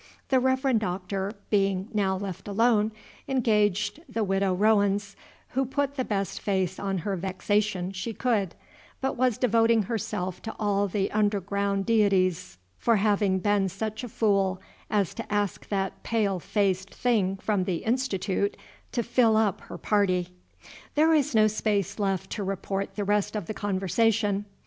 The Reverend Doctor, being now left alone, engaged the Widow Rowens, who put the best face on her vexation she could, but was devoting herself to all the underground deities for having been such a fool as to ask that pale faced thing from the Institute to fill up her party. There is no space left to report the rest of the conversation.